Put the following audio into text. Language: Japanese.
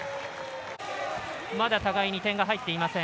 まだ互いに点が入っていません。